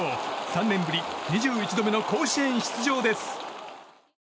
３年ぶり２１度目の甲子園出場です。